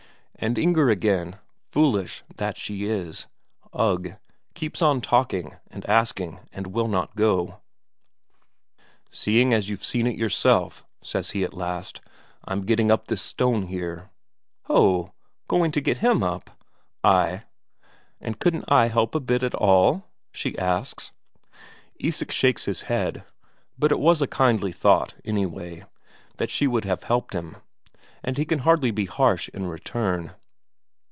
And Inger again, foolish that she is ugh, keeps on talking and asking and will not go. "Seeing as you've seen it yourself," says he at last, "I'm getting up this stone here." "Ho, going to get him up?" "Ay." "And couldn't I help a bit at all?" she asks. Isak shakes his head. But it was a kindly thought, anyway, that she would have helped him, and he can hardly be harsh in return.